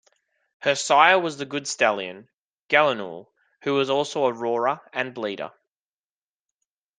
Her sire was the good stallion, Gallinule who was also a roarer and bleeder.